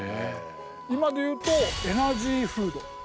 今で言うとエナジーフード。